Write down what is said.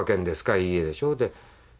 「いいえ」でしょう。